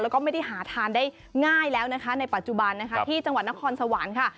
แล้วก็ไม่ได้หาทานได้ง่ายแล้วนะคะในปัจจุบันนะคะที่จังหวัดนครสวรรค์ค่ะ